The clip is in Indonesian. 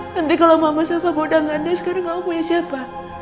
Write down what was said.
nanti kalau mama sama papa udah gak ada sekarang kamu punya siapa